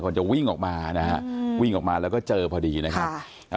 คนจะวิ่งออกมานะฮะอืมวิ่งออกมาแล้วก็เจอพอดีนะคะค่ะ